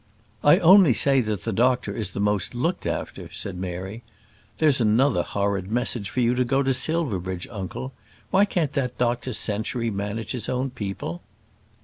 "I only say that the doctor is the most looked after," said Mary. "There's another horrid message for you to go to Silverbridge, uncle. Why can't that Dr Century manage his own people?"